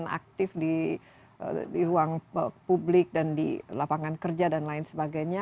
yang aktif di ruang publik dan di lapangan kerja dan lain sebagainya